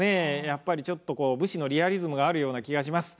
やっぱりちょっと武士のリアリズムがあるような気がします。